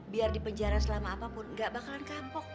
biar di penjara selama apapun nggak bakalan kapok